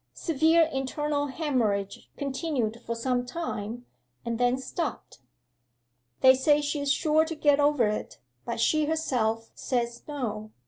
Severe internal haemorrhage continued for some time and then stopped. They say she is sure to get over it; but she herself says no.